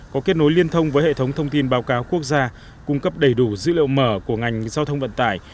có kết nối liên thông với hệ thống thông tin báo cáo quốc gia cung cấp đầy đủ dữ liệu mở của ngành giao thông vận tải